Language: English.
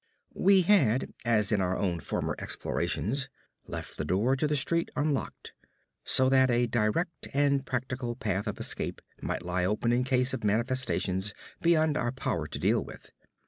We had, as in my own former explorations, left the door to the street unlocked; so that a direct and practical path of escape might lie open in case of manifestations beyond our power to deal with.